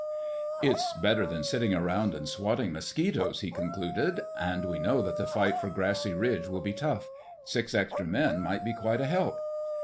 "It's better than sitting around and swatting mosquitoes," he concluded. "And we know that the fight for Grassy Ridge will be tough. Six extra men might be quite a help."